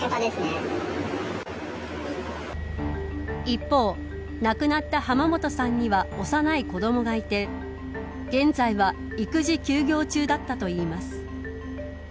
一方、亡くなった浜本さんには幼い子どもがいて現在は育児休業中だったといいます。